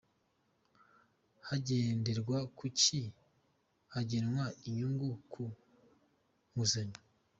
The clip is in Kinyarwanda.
Hagenderwa kuki hagenwa inyungu ku nguzanyo.